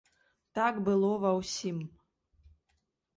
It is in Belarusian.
Так было ва ўсім.